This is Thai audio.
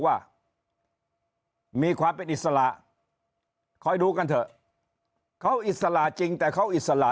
ว่ามีความเป็นอิสระคอยดูกันเถอะเขาอิสระจริงแต่เขาอิสระ